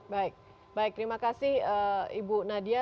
baik baik terima kasih ibu nadia